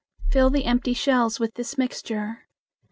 Fill the empty shells with this mixture.